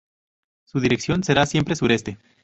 Su dirección será siempre sureste.